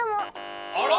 あら。